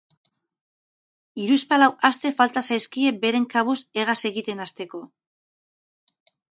Hiruzpalau aste falta zaizkie beren kabuz hegaz egiten hasteko.